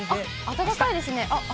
暖かいですね。